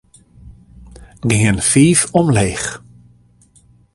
Gean fiif omleech.